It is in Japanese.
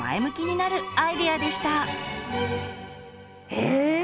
へえ！